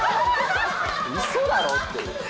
「嘘だろ？っていう」